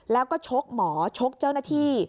แล้วก็ชกหมอชกเจ้าหน้าที่